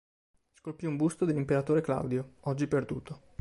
Scolpì un busto dell'Imperatore Claudio, oggi perduto.